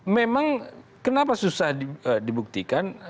memang kenapa susah dibuktikan